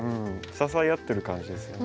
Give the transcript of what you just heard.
支え合ってる感じですよね。